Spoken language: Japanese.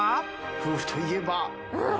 夫婦といえば。